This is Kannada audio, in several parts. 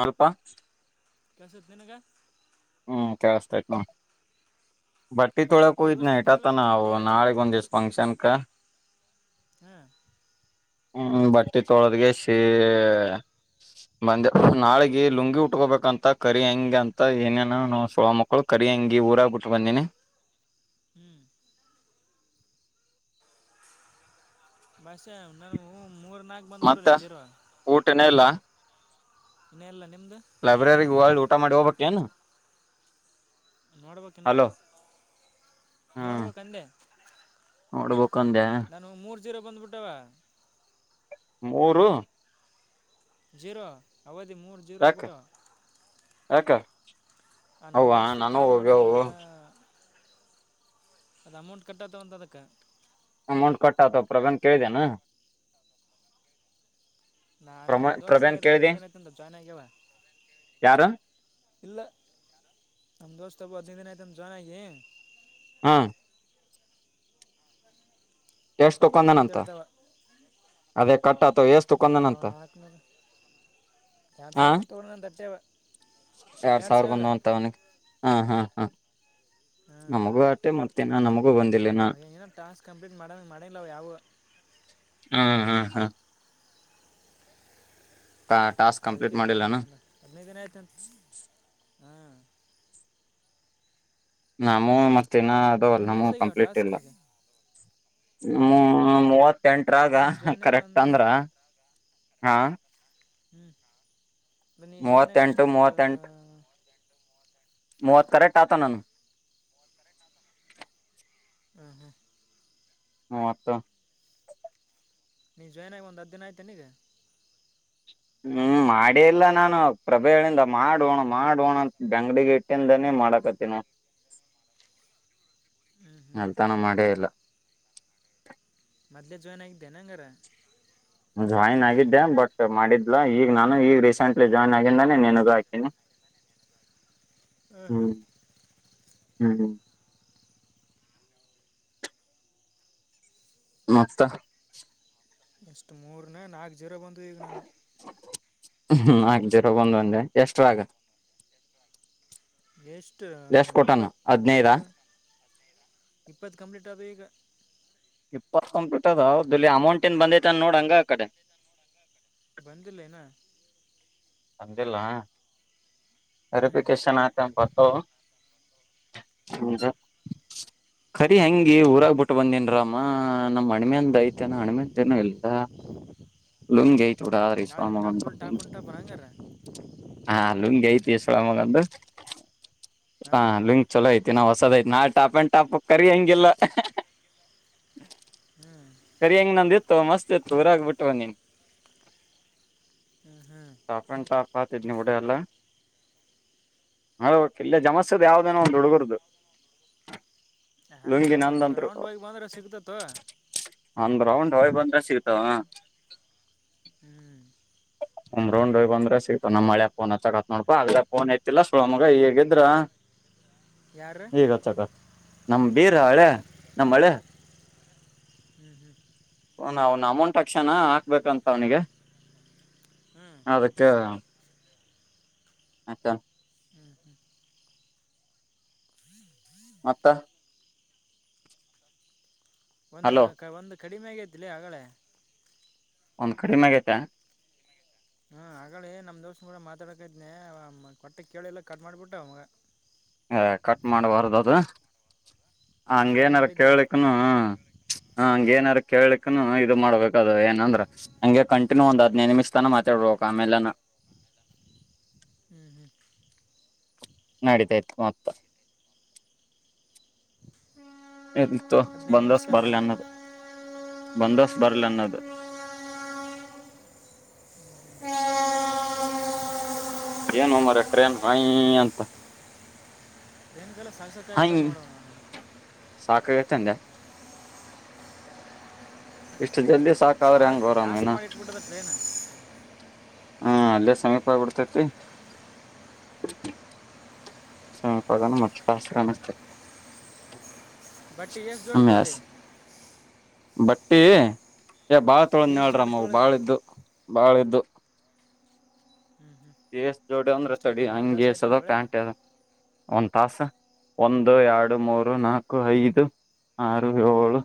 ಹೆಲ್ಪ್ ಕೆಲ್ಸತತಿ ನಿನಗ ಹ್ಮ್ ಕೇಳ್ಸತೇತಿ ನೋಡ ಬಟ್ಟಿ ನಮ್ಮ ತೊಳಕ ಇದ್ನ ದೋಸ್ತಿಗೆ ಟತ ನಾವು ಕೇಳಲಾಗಿಬಿಟ್ಟಿದ್ಲೆ ಆಗಳೆ ನಾಳಗ್ ಒಂದಿಷ್ಟು ಫಂಕ್ಷನ್ಕ ಹಾ್ ಹ್ಮ್ ಬಟ್ಟೆ ತೊಳೋದಗೆ ಸಿ ಬಂದೆ ನಾಳಿಗೆ ಲುಂಗಿ ಉಟ್ಕೋಬೇಕಂತ ಕರಿ ಹೆಂ ಅಂತ ಏನೇ ನ ಸೋಳ ಮಕ್ಕಳು ಕರಿಂಗಿ ಊರಾಗಬಿಟ್ ಬಂದೀಿಮನಿ ಹ್ಮ್ ಬಸ ಉ ನಾನು ಹ ಮತ್ತ ಊಟನ ಇನ್ ಇಲ್ಲ ಇನ್ನು ಇಲ್ಲ ನಿಮ್ದು ಲೈಬ್ರರಿಗ್ ಹೋಳ್ ಊಟ ಮಾಡಿ ಹೋಬಕೇನು ನೋಡ್ಬಕು ಇನ್ ಹ್ಮ್ ನೋಡ್ಬೇಕುಕ್ಂದೆ ಚೀರ ಬಂದ್ ಬಿಟವೇ ಮೂರು ಜೀರೋ ಅವಧಿ ಮೂರ್ ಜೀರೋ ಯಾಕ ಆಗ್ಬಿಟ್ಟು ಯಾಕ ಆ ನಮ ಅವ್ವ ದೋಸ್ತ್ ನಾನು ಕಾಲ್ ಹೋಗ್ಯವು ಮಾಡಿನಲ್ಲ ಅದು ಅಮೌಂಟ್ ಕಟ್ಟತ ಒಂತ ಅದಕ್ಕ ಅಮೌಂಟ್ ಕಟ್ಟಾತ ಪ್ರಗನ್ ಕೇಳಿದೆೇನಾ ನಾಲ್ಲ ಪ್ರಮ ನಮ ದೋಸ್ ಹೇಳ್ ಪ್ರವೀಣ್ ಕೇಳಿದಿ ಹದಿನೈದು ದಿನ ತಿಂತ ಜಾಯ್ನ್ ಆಗ್ಯವ ಯಾರು ಇಲ್ಲ ನಮ ದೋಸ್ತ ಅಬ್ಬ ಹದ್ನೈದು ದಿನ ಆಯ್ತು ನಮ ಜಾಯ್ನ್ ಆಗಿ ಹ್ಮ್ ಎಷ್ಟ್ ಕಟ್ಟತ ತಕೊಂಡನಂತ ಅಂತೇಳತಾವ ಅದೇ ಕಟ್ಟ ಅಥವಾ ಎೇಸ್ತು ಕೊಂದನಂತ ನನ್ ಸಪ ತೋಡ ನ ತಟ್ಟವ ಎರಡ್ ಸಾವಿರ ಬಂದ ಅಂತ ಅವನಿಗೆ ಹಾ ಹಾ ಹಾ ಹಾಂ ನಮಗೂ ಆಟೆ ಮಾಡ್ತೀನಾ ನಮಗೂ ಬಂದಿಲ್ಲನಾ ಏನೋ ಟಾಸ್ಕ್ ಕಂಪ್ಲೀಟ್ ಮಾಡಂಗೆ ಮಾಡಂಗಿಲ್ಲ ಅವು ಯಾವ ಹಾ ಹಾ ಹಾ ಟಾಸ್ಕ್ ಕಂಪ್ಲೀಟ್ ಅದಕ್ಕೆ ಕಡಿ ಮಾಡಿಲ್ಲಾನ ಮಾಡಲ್ಲ ಅದನಗನ ಆಯ್ತ ನಾಮೂ ಮತ್ತ ಇನ್ನ ಅದ ಅಲ್ ನಿನ್ನ ನಮ್ಮೂ ಏಸಾಗ್ಯಾವ ಕಂಪ್ಲೀಟ್ ಇಲ್ಲ ಟಾಸ್ಕಿಗೆ ಹ ಮೂವತ್ತೆಂಟರಾಗ ನೀ ಜಾಯ್ನ್ ಆಗಿ ಕರೆಕ್ಟ್ ಒಂದು ಅಂದ್ರ ಹಾ ಹ್ಮ್ ಅ ನೀ ಜಾಯಿನ್ ಆಗಿ ಅಷ್ಟು ಮೂವತ್ತೆಂಟು ಒಂದು ಮೂವತ್ತೆಂಟು ಮೂವತ್ ಕೇ ಾತ ನಾನ ಹ್ಮ ಹಾ ಮತ ನೀ ಜಾಯನ ಆ ದರ್ ದಿನ ಆಯತನೆಗೆ ಹ್ಮ್ ಮಾಡಿ ಇಲ್ಲ ನಾನು ಪ್ರಭೆಗಳಿಂದ ಮಾಡುವಣ ಮಾಡೋಣ ಅಂತ ಬೆಂಗ್ಡಿಗೆ ಇಟ್ಟಿಂದನೇ ಮಾಡಕತ್ತಿನ ಮಾರ ಮಲ್ತಾಣ ಮಾಡೇ ಇಲ್ಲ ಮದೇ ಜಾಯನ್ ಆಗಿದೆ ನಂಗರ ಜಾಯ್ನ್ ಆಗಿದ್ದೆ ಬಟ್ ಮಾಡಿದ್ಲಾ ಈಗ ನಾನು ಈಗ ರೀಸೆಂಟ್ಲಿ ಜಾಯ್ನ್ ಆಗಿಂದಾನೇ ನೆನಗು ಹಾಕ್ತೀನಿ ಹ್ಮ ಹಾ ಹ್ಮ್ ಹ್ಮ್ ಮಕ್ತ ಇಷ್ಟು ಮೂರನ ನಾಲ್ಕು ಜೀರ ಬಂದು ಈಗ ನಾನು ಹ್ಮ್ ಆಗ್ ಜಿರ ಒಂದ್ ಒಂದೆ ಎಷ್ಟ್ರಾಗ ಎಷ್ಟು ಎಷ್ಟ್ ಕೊಟಾನ ಇಪ್ಪತ್ತು ಹದ್ನೈದ ಇಪ್ಪತ್ತು ಕಂಪ್ಲೀಟ್ ಆದ ಈಗ ಇಪ್ಪತ್ತೊಪ ಬಿಟ್ಟದ್ದಲ್ಲಿ ಅಮೌಂಟ್ ಏನ್ ಬಂದೈತ ಅನ್ ನೋಡಂಗ ಆ ಕಡೆ ಬಂದಿದ್ದೆ ನ ತಂದಿಲ್ಲ ಹ್ಞೂ ವೆರಿಫಿಕೇಶನ್ ಹಕನ್ [unintelligible] [inaudible] [inaudible] ಖರಿ ಹೆಂಗಿ ಊರಾಗ್ಬ ಬಿಟ್ಟು ಬಂದನ್ರಮ್ಮ ನಮ್ ಹಣ್ಮೆಂದ ಐತೆೇನ ಅಣ್ಮೆದನ ಇಲ್ಲ. ಲುಂಗಿ ಐತ್ ಬಿಡ ನಾ ಟು ಟಫುಲ್ಟ ಬ ಹಂಗ್ರ ಹಾಲ್ಲುನ್ಗೆ ಐತಿ ಸಳ ಮಗಂದು ಹಾ ಹಾಂ ಲಿಂಗಕ್ ಚಲೋ ಐತಿ ನಾಹೊಸದಐತಿ ನಾಳ ಟಪ್ ಅಂಡ್ ಟಾಪ್ ಕ ಹೆಗೆಲ್ಲ ಹ್ಞೂ ಸರಿ ಹಂಗ ನಂದಿತ್ತು ಮಸ್ತ್ ಇತ್ತು ಊರಾಗ ಬಿಟ್ಟುವ ನೀನ್ ಹ್ಞೂ ಹ್ಞೂ ಟಾಪ್ ಅಂಡ್ ಟಾಪ್ ಹತಿದ್ ನಿವುಡ ಅಲ್ಲ ಹಳ್ ಇಲ್ಲ ಜಮಸದ್ ಯಾವ್ದೇನೋ ಒಂದು್ ಹುಡುಗರ್ದು ಹಾ ಲುಂಗಿ ಒಂದು ನಂದಂತ್ರು ರೌಂಡ್ ಬೈಗೆ ಬಂದ್ರೆ ಸಿಗ್ತತ್ತು ಎ ಸಿಗತಾವ ಹ್ಮ್ ಉ್ರಂಡ ಹ ಬಂದ್ರೆ ಸಿಗ್ತ ನಮ್ಮ ಮಳೆ ಫೋನ್ ಹತ್ತಕತ್ ನೋಡ್ಕು ಆಗ್ಲೇ ಫೋನ್ ಐತಿಲ್ಲ ಸುಮಗ ಹ ಈಗಿದ್ರ ಯಾರು ಈಗಚ್ಚಕ ನಮ್ ಬೀರ ಹಳೆ ನಮ್ಮ ಹಳೆ. ಹ್ಮ್ ಹ್ಮ್ ಅವ್ನ ಅವ್ನ ಅಮೌಂಟ್ ಅಕ್ಸ್ಯನ ಹಾಕ್ಬೇಕಂತ ಅವ್ನಿಗೆ ಹ್ಮ್ ಅದಕ್ಕೆ. [unintelligible] ಹ್ಮ್ ಹ್ಮ್ ಮತ್ತ ಒಂದು ಹಲೋ ಒಂದು ಕಡಿಮೆ ಆಗೈತಿಲಿ ಹಗಳೇ. ಒಂದು ಕಡಿಮೆಾಗೈತಾ ಹಾಂ ಹಾಗಳೆ ನಮ್ಮ ಸುಮ್ನೆ ಮಾತಾಡಕತ್ನಿ [unintelligible] ಇದನೆ ಕೊಟ್ಟಕ್ಕೆ ಕೇಳಿಲ್ಲ ಕಟ್ ಮಾಡಿಬಿಟ್ಟೆ ಅವಾಗ ಹ ಕಟ್ ಮಾಡಬಾರದು ಅದು ಜಾಯಿನ್ ಹಂಗೇನರ ಮಾಡಿದ್ದೆ ಅವನು ಕೇಳ್ಕ್ನು ಹ ಹಂಗ ನರ ಕೇಳಕ್ನು ಇದು ಮಾಡ್ಬೇಕದ ಏನಂದ್ರ ಹಂಗೆ ಕಂಟಿನ್ಯೂ ಒಂದ್ ಹದಿನೈದು ನಿಮಿಷ್ ತಾನ ಮಾತಾಡ್ಬೇಕಕ್ ಆಮೇಲೆನ ಹ್ಮ್ ಹ್ಮ್ ನಡೀತೈತ್ ಮೊತ್ತ ಇರ್ಲಿ ತಗೋ ಹದಿನೈದು ನಿಮಿಷ ಬಂದಸ್ ತನ ಬರಲಿ ಅನ್ನದ ಬಂದಸ್ ಬರ್ಲಿ ಅನ್ನೋದ್ [inaudible] ಏನು ಮರಯ ಟ್ರೇನ್ ಹೊಯ್ ಅಂತ. ಇದೆಲ್ಲ ಸಸೆತ್ ಆಗಿಬಿಟ್ಟ ನೋಡೋಣ ನು ಸಾಕಾಗೈತ್ ಅಂದ ಇಷ್ಟು ಜಲ್ದಿ ಸಾ ಸಾಕಾದ್ರ ಹೆಂಗ್ ಗೋ ಜಾಸ್ತಿ ರಾಮಯ್ಯನ ಮಾಡಿಟ್ಬಿಟರ ಟ್ರೇನ ಹಾ ಅಲ್ಲೇ ಸಕಾಗ್ಬಿಡ್ತೇತೈತಿ [unintelligible] ಅನ್ನಿಸ್ತ ಬಟ್ಟಿ ಎಷ್ಟು ಜೋಡ್ಡ ತೊಳ್ದಿ. ಬಟ್ಟಿ ಏ ಬಾಳ್ ತೊಳದಿನ್ನ ಎಷ್ಟು ಜೋಡಿ ನ್ರಮವು ತೊಳೋದು ಬಾಳ ಇದ್ದು ಬಾಳ ಇದ್ದು. ಹ್ಞೂ ಹ್ಞೂ ಎೇಸ್ ಜೋಡಿ ಅಂದ್ರೆ ಎಷ್ಟಂತ ತಡಿ ಒಂದು ಎರಡು ತಾಸು ಹಂಗಗೆೇಸ್ ಆಯ್ತು ಅಂತ ಅದ ತೊಳೆದು ಪ್ಯಾಂಟ್ [unintelligible] ತಾಸ ಒಂದು ಎರಡು ಮೂರು ನಾಲ್ಕು ಐದು. ಆರು ಏಳು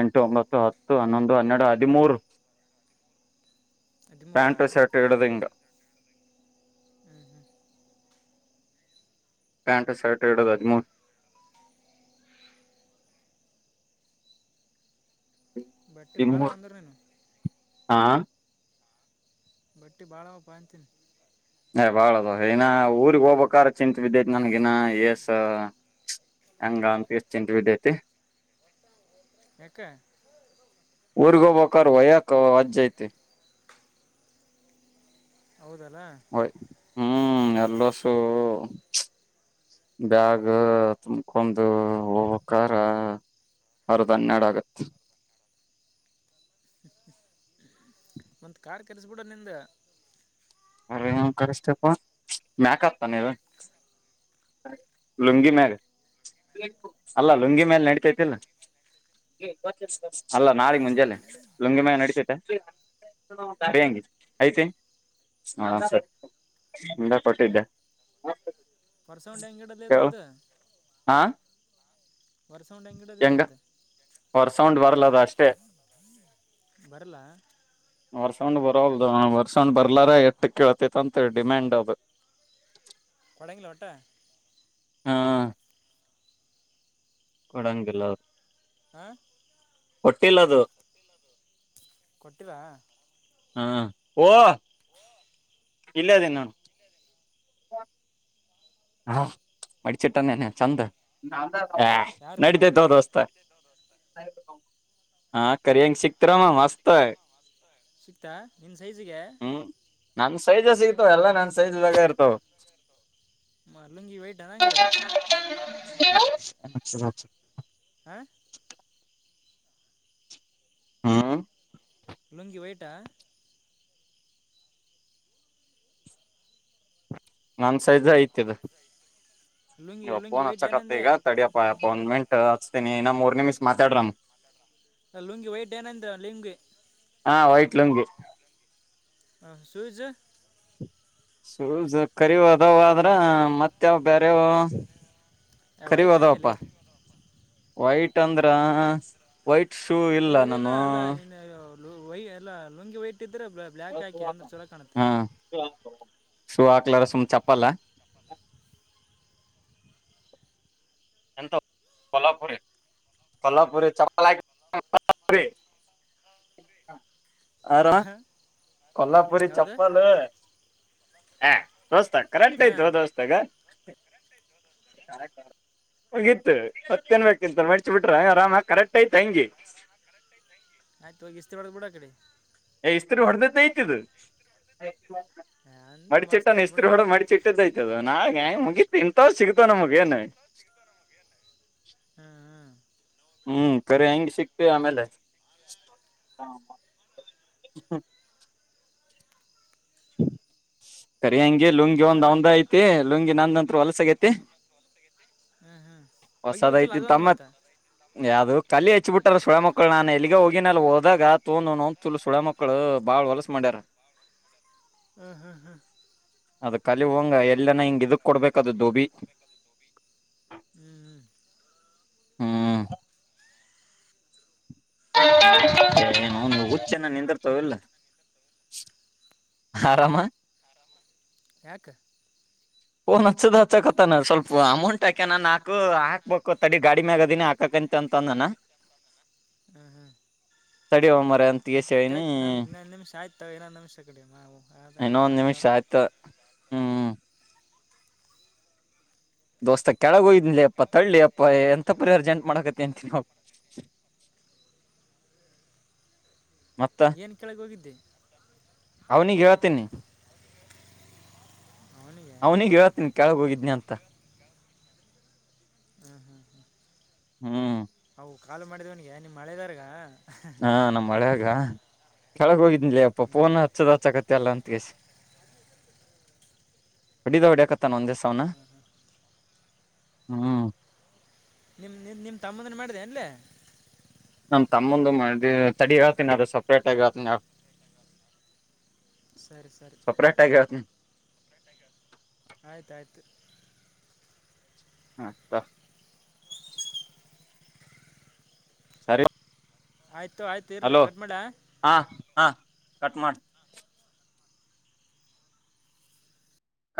ಎಂಟು ಒಂಬತ್ತು ಹತ್ತು ಹನ್ನೊಂದು ಹನ್ನೆರಡು ಹದಿಮೂರು. [inaudible] ಹದಿಮೂರಾ ಪ್ಯಾಂಟು ಶರ್ಟ್ ಇಡದಂಗ ಹ್ಞೂ ಹ್ಞೂ ಪ್ಯಾಂಟ ಶರ್ಟ ಹಿಡದ್ [unintelligible] ಬಟ್ಟೆ ಭಾಳ ಹದಿಮೂರು ಅಂದರು ನೀನು ಹಾ ಬಟ್ಟಿ ಭಾಳಾವ ಅಂತಿ ಬಾಳದು ಇನ್ನ ಊರ್ಗ್ ಹೋಗ್ಬೇಕ್ರ ಚಿತ್ ಬಿದ್ದೈತಿ ನನ್ಗಿನ ಎಸ್. ಹಂಗ ಅಂತಷ್ಟ ಇಂಟರ್ವ್ಯೂ ಐತೆ. ಯಾಕೆ ಊರ್ಗ ಹೋಗಬಬೇಕ್ರ ಒಯ್ಯಕ್ ಅಜ್ಜ್ ಐತಿ. ಹೌದಲ್ಲ ಹೊಯ್ ಹ್ಮ್ ಎಲ್ಲೂಸ್ [inaudible] ಬ್ಯಾಗ್ ತುಂಬಕೊಂಡು ಹೋಗ್ಬೇಕರ ಅರದ್ ಹನ್ನೆರಡು ಆಗತ್ ಒಂದ್ ಕಾರ್ ಕೆರೆಸಬಿಡೋ ನಿಂದ್. ಅ್ರ ಎನ್ ಕರಿಸ್ಥ್ಯಪ ಮ್ಯಾಕ ಹತ್ತಾನ ನೀವ. ಲುಂಗಿ ಮ್ಯಾಲ್ ಅಲ್ಲ ಲುಂಗಿ ಮ್ಯಾಲ ನಡತೈತಿಲ್ಲ ಅಲ್ಲ ನಾಳಗ್ ಮುಂಜಲ್ಲೆ ಲುಂಗಿ ಮಾಗ ನಡಸೈತೆ ಸರಿ ಹಂಗೆ ಐತೆ ಹ ಸರಿ ನಿಂದ ಕೊಟ್ಟಿದ್ದೆ ಪಾರ್ಸವಂಡ ಕೇಳು ಎಂಗೇಡೆಲ್ಲದ್ರದ್ದ. ಹಾ ಇಡೋದು ಹೆಂಗ ಇದ್ರದ್ದು ವರಸೌಂಡ್ ಬರಲದ ಅಷ್ಟೆ. ಬರ್ಲ ಸೌಂಡ್ ಬರೋಲ್ದು ಬರ್ಸೌಂಡ್ ಬರ್ಲಾರ ಎಟ್ಟ ಕತಿತಿ ಅಂತ ಡಿಮ್ಯಾಂಡ್ ಅದು. ಕೊಡಂಗಲ್ಲ ಹೊಟ್ಟ. ಹಾ ಕೊಡಂಗಿಲ್ಲ ಹೌ ಹಾ ಕೋಟ್ಟಿಲ್ಲದು. ಕೊಟ್ಟರಾ ಹ್ಮ ಓ ಇಲ್ಲ ಅದೇ ನಾನು. ಹಾ ಹಾ ಮಡಚಿಟ್ಟಾನೇನೆ ಚಂದ. ಹ ಯಾರು ನಡೀತೈತೋ ದ ಹೊಸ್ತ ಹ ಕರಿಂಗ ಸಿಕ್. ಚಿತ್ರ್ರಮ ಮಸ್ತ ಸಿಕ್ತಾ ನಿನ್ನ ಸೈಜಿಗೆ ಹ್ಮ ನನ್ ಸೈಜ್ ಸಿಗ್ತವ ಎಲ್ಲಾ ನನ್ ಸೈಜ್ ಬೇಗ ಇರ್ತವ. ಮ ಲುಂಗಿ ವೈಟ್ ಅನ್ನಂಗಾರ [inaudible] ಹ ಹಾ ಹಲ್ಲಂಗಿ ಯಟಾ ನನ್ ಸೈಜ್ ಐತದು ಲುಂಗಿ ಲುಂಗಿ ನೀಪ್ಪೋನ್ ವೈಟ್ ಹಚ್ಚಕತ್ತ ಏನಂದೆ ಈಗ ತಡಿಯಪ್ಪ. ನ್ಮೆಂಟ್ ಹಚ್ತೀನಿ ಇನ್ನ ಮೂರ್ನಮಿಸ್ ಮಾತಾಡ್ರನ್. ಲುಂಗಿ ವೈಟ್ ಏನಂತ ಲುಂಗಿ. ಹಾ ವೈಟ್ಲುಂಗಿ. ಸಜ ಶು ಕರಿವ್ ಅದಾವ ಆದ್ರ ಮತ್ತಾವ್ ಬೇರೆವು. ವೈಟ್ ಆಕಲ್ಲ. ವೈಟ್ ಅಂದ್ರ ವೈಟ್ ಶೂ ಏ ಇಲ್ಲ ಇಲ್ಲಿಲ್ಲ ನಾನು ಅಲ್ಲ ನೀನು ಎಲ್ಲ ಲುಂಗಿ ವೈಟ್ ಇದ್ರೆ ಬ್ಲ್ಯಾಕ್ ಹಾಕಿ ಅಂದ್ರೆ ಚೊಲೋ ಕಾಣುತ್ತೆ. ಹಾ ಶೂ ಹಾಕ್ಲಾರ ಸುಮ ಚಪ್ಪಲ್ಲ. ಎಂತ ಕಲಪರೀ. ಸಲ್ಲಪುರೀ ಚಪ್ಪಲ್ ಹ ಹಾ ಕೊಲ್ಲಾಪುರಿ ಚಪ್ಪಾಲು ಹ ದೋಸ್ತ ಕರೆಂಟ್ ಆಯ್ತು ದೋಸ್ತಾಗ. ಕರೆಕ್ಟ್ ಆಯಿತೋ. ಕರೆಕ್ಟ್. ಹೋಗಿತ್ತು ಹತ್ಕನ್ ಬೇಕೆಂತ ಮಡಚಿ ಬಿಟ್ರ ಆರಾಮ ಕರೆಕ್ಟ್ ಆಯ್ತಿ ಹೆಂಗಿ. ಆಯ್ತು ಇಿಸ್ತೀ ಮಾಡಳ ಬಿಡ ಆ ಕಡೆ. ಏ ಇಸ್ತ್ರು ಹೊಡೆದತ ಐತದು. ಅಂದ್ರೆ ಮಡಿ ಮಸ್ತ್ ಚಿಟ್ಟ ಆಯ್ತು ಇಸ್ತ್ರು ಬಿಡು ಹೊೋಡ ಮಡಿಚಿಟ್ಟದಯ್ತದ ನಾ ಮುಗಿ ತಿಂತವ್ ಸಿಗತೋ ನಮ್ಗೆ. ಏನ ಹ್ಮ್ ಹ್ಮ್ [inaudible] ಹ್ಮ್ ಕರಿ ಹೆಂಗಗೆ ಸಿಕ್ತ ಆಮೇಲೆ. ಹ್ಮ ಸರಿ ಹಂಗೆ ಲುಂಗಿ ಒಂದ್ ಚಲೋ ಆಯ್ತು ಅವಂದ್ ಐತಿ ಲುಂಗಿ ನಂದ ನಂತ್ರ ಹೊಲಸಗೇತೆ. ಹ್ಮ್ ಹ್ಮ್ ಒೋಗಿ ಬಕಲ್ಲ ಅದು ಒಂದು ಮತ್ತ. ತಲಿ ಹೆಚ್ಚಿ ಬಿಟ್ಟಾರ ಸುಳೆ ಮಕ್ಕಳು ನಾನ್ ಎಲ್ಲಿಗೆ ಹೋಗಿನ ಹೋದಾಗ ತೊಗೊಂಡು ಅವ್ನೋನ್ ತುಲ್ಲ್ ಸುಳೆ ಮಕ್ಳ ಬಾಳ ಹೊಲಸ ಮಾಡ. ತ್ತರ. [inaudible] ಹಾ ಹಾ ಹಾ. ಅದ ಕಲಿ ಹೋಗೊಂಗ ಎಲ್ಲನ ಹಿಂಗ ಇದಕ್ ಕೊಡ್ಬೇಕದು ದೋಬಿ. ಹ್ಮ್ ಹ್ಮ್. ಹ್ಮ್. [inaudible] ಏ ಇವ್ನೌನ್ ಉಚ್ಚಿ ಅರೆ ನಿಂದರ್ಥವ್ ಏನ್ ಇಲ್ಲ. ಆರಾಮ. ಯಾಕ. ಪೋನ್ ಹಚ್ಚದು ಹಚ್ಚಕತ್ತಾನ ಸ್ವಲ್ಪ ಅಮೌಂಟ್ ಹಾಕ್ಯನ ನಾಕು ಹಾಕಕ್ ಹಾಕ್ಬೇಕು ತಡಿ ಗಾಡಿ ಮ್ಯಾಗದಿನಿ ಹಾಕಕ. ಎಂತ ಅಂತಂದಾನ. ಹ ಹ. ಅಯ್ಯೋ ಮರ್ಯಾ ಅಂತಸಿ. ತಡಿ ಇನ್ನೊಂದ ನಿಮಷ ಕಡೆ ಮಾವು. ಅದಕ್ಕೆ ಇನ್ನೊ ಒಂದ ಮಾಡೋದು ನಿಮಿಷ ಆಡಕತ್ತೆ ಆಯ್ತಾ ಹ್ಮ್. ದೋಸ್ತ ಕೆಳಗ ಹೋಗಿದ್ವಿ ಲೆ ಅಪ್ಪಾ ತಡ್ಲೆ ಅಪ್ಪಾ ಎಂತ ಪರಿ ಅರ್ಜೆಂಟ್ ಮಾಡಕತಿ ಅಂತೀನಿ. [inaudible] ಏನ್ ಕೆಳಗ ಹೋಗಿದ್ದಿ. ಅವನಿಗೆ ಹೇಳ್ತೀನಿ. ಅವನಿಗೆ ಅವ್ನಿಗ್ ಹೇಳೇತೀನಿ ಕೆಳಗ ಹೋಗಿದ್ನಿ ಅಂತ. ಹ್ಮ್ ಹ್ಮ್ ಹ್ಮ್. ಹ್ಮ್. ಓ ಕಾಲು ಮಾಡಿದವನ್ಗೆ ನೀ ಮಳೆದಾರ್ಗ. ಹಾ ನಮ್ಮ್ ಅಲ್ಯಾಗ್ ಕೆಳಗ ಹೋಗಿದ್ನಿಲೆ ಅಪ್ಪ ಪೋನ ಹಚ್ಚದ್ ಹಚ್ಚಕತ್ತ ಅಲ್ಲ ಅಂತ. ತೆಸ ಹೊಡೆದ ಹೊಡ್ಯಾಕತ್ತನ ಒಂದ ಸವನಾ. ಹ್ಮ್. ನಿಮ್ಮ ನಿ ನಿಮ್ಮ ತಮ್ಮಂದನ್ನು ಮಾಡಿದೆ ಅಲ್ಲ. ನಮ್ಮ ತಮ್ಮೊಂದ ತಡಿ ಹೇಳ್ತೀನಿ ಅದ ಸಪ್ರೇಟ್ ಆಗಿ ಹೆಲ್ಟೇನಿಯಲ. ಸರಿ ಸರಿ ಆಯ್ತಾಯಯ್ತು. ಹಾ [inaudible] ಸರಿ. ಆಯಿತು ಆಯ್ತು ಇರ್ಲಿ ಹಲೋ ಕಟ್ ಮಾಡ ಹಾ ಹಾ ಕಟ್ ಮಾಡ.